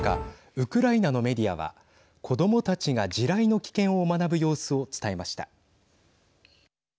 ウクライナのメディアは子どもたちが地雷の危険を学ぶ様子を伝えました。